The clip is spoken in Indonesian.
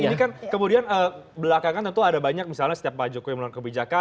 ini kan kemudian belakangan tentu ada banyak misalnya setiap pak jokowi mengeluarkan kebijakan